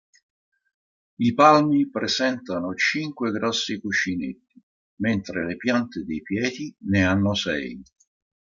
I palmi presentano cinque grossi cuscinetti, mentre le piante dei piedi ne hanno sei.